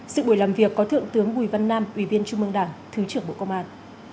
sự buổi làm việc có thượng tướng bùi văn nam ủy viên trung mương đảng thứ trưởng bộ công an